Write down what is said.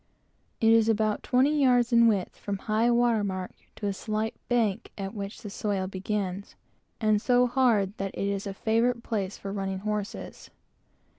It is about twenty yards in width from high water mark to a slight bank at which the soil begins, and so hard that it is a favorite place for running horses.